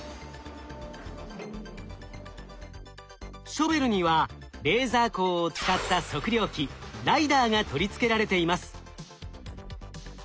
ショベルにはレーザー光を使った測量機ＬｉＤＡＲが取り付けられています。